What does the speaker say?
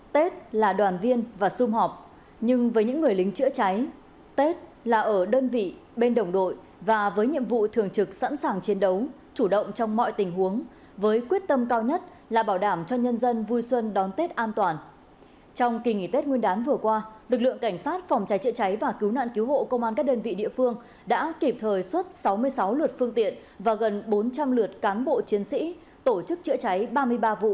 tết là đoàn viên và xung họp nhưng với những người lính chữa cháy tết là ở đơn vị bên đồng đội và với nhiệm vụ thường trực sẵn sàng chiến đấu chủ động trong mọi tình huống với quyết tâm cao nhất là bảo đảm cho nhân dân vui xuân đón tết an toàn trong kỳ nghỉ tết nguyên đán vừa qua lực lượng cảnh sát phòng cháy chữa cháy và cứu nạn cứu hộ công an các đơn vị địa phương đã kịp thời xuất sáu mươi sáu lượt phương tiện và gần bốn trăm linh lượt cán bộ chiến sĩ tổ chức chữa cháy ba mươi ba vụ dập tắt nhiều đám cháy ngay tới lúc này